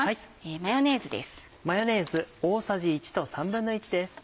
マヨネーズです。